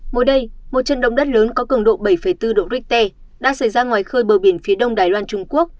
mới đây một trận động đất lớn có cường độ bảy bốn độ richter đã xảy ra ngoài khơi bờ biển phía đông đài loan trung quốc